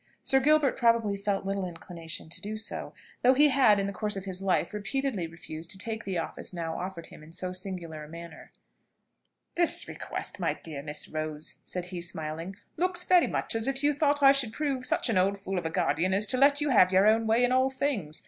Sir Gilbert probably felt little inclination to do so, though he had, in the course of his life, repeatedly refused to take the office now offered him in so singular a manner. "This request, my dear Miss Rose," said he, smiling, "looks very much as if you thought I should prove such an old fool of a guardian as to let you have your own way in all things.